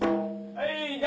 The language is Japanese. はい！